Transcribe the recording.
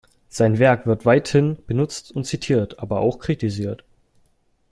Sein Werk wird weithin benutzt und zitiert, aber auch kritisiert.